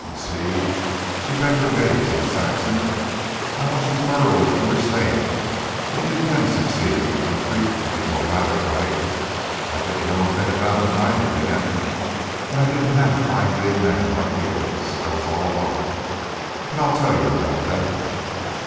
You see " she bent her gaze on Saxon "I want you thoroughly to understand that you can succeed in the country if you go about it right. I didn't know a thing about it when I began, and I didn't have a fine big man like yours. I was all alone. But I'll tell you about that."